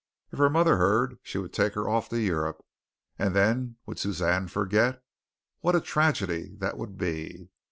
If her mother heard she would take her off to Europe and then would Suzanne forget? What a tragedy that would be!